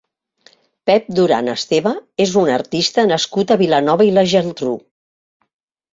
Pep Duran Esteva és un artista nascut a Vilanova i la Geltrú.